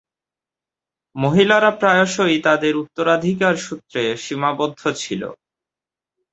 মহিলারা প্রায়শই তাদের উত্তরাধিকার সূত্রে সীমাবদ্ধ ছিল।